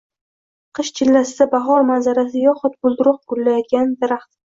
Qish chillasida bahor manzarasi yoxud bulduruq "gullatgan" daraxtlar